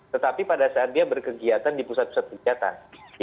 tetapi pada saat dia berkegiatan di pusat pusat kegiatan